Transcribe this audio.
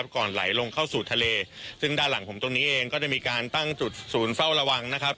ก่อนไหลลงเข้าสู่ทะเลซึ่งด้านหลังผมตรงนี้เองก็จะมีการตั้งจุดศูนย์เฝ้าระวังนะครับ